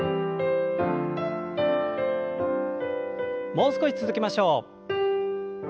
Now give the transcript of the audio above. もう少し続けましょう。